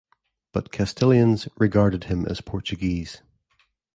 But Castilians regarded him as Portuguese.